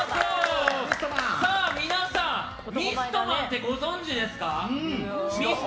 皆さん、ミストマンってご存知ですか？